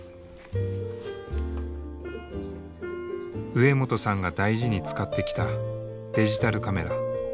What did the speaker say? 植本さんが大事に使ってきたデジタルカメラ。